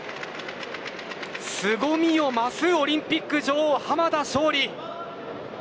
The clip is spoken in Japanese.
すごみを増すオリンピック女王、濱田尚里。